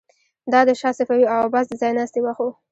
دا د شاه صفوي او عباس د ځای ناستي وخت و.